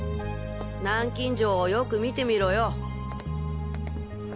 南京錠をよく見てみろよ。